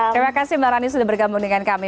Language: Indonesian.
terima kasih mbak rani sudah bergabung dengan kami